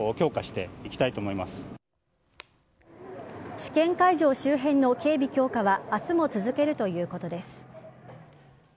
試験会場周辺の警備強化は明日も続けるということです。